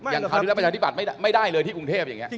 คราวนี้แล้วประชาธิบัติไม่ได้เลยที่กรุงเทพอย่างนี้